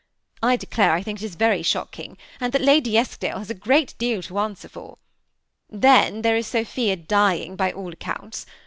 I declare I think it is very shocking, and that Lady Eskdale has a great deal to answer for. Then there is Sophia dying, by all accounts.